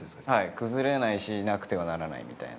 崩れないしなくてはならないみたいな。